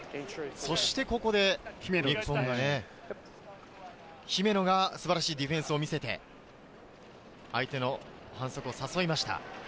ここで日本が、姫野が素晴らしいディフェンスを見せて相手の反則を誘いました。